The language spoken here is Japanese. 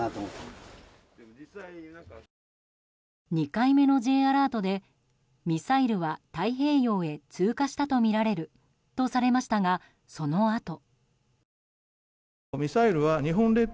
２回目のＪアラートでミサイルは太平洋へ通過したとみられるとされましたが、そのあと。